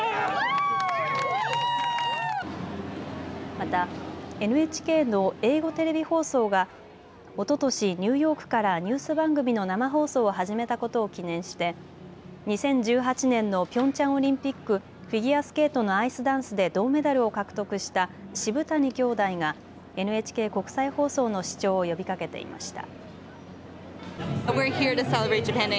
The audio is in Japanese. またＮＨＫの英語テレビ放送がおととしニューヨークからニュース番組の生放送を始めたことを記念して２０１８年のピョンチャンオリンピックフィギュアスケートのアイスダンスで銅メダルを獲得したシブタニきょうだいがＮＨＫ国際放送の視聴を呼びかけていました。